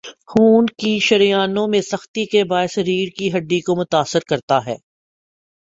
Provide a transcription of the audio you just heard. خون کی شریانوں میں سختی کے باعث ریڑھ کی ہڈی کو متاثر کرتا ہے